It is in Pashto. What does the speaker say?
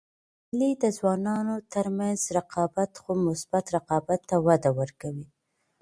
مېلې د ځوانانو تر منځ رقابت؛ خو مثبت رقابت ته وده ورکوي.